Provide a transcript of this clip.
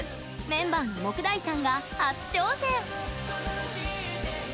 メンバーの杢代さんが初挑戦！